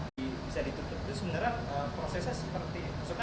bisa ditutup terus sebenarnya prosesnya seperti